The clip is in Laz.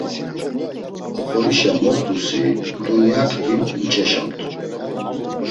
Oxorişa moxt̆usi, Dunyak himu umç̌eşamt̆u.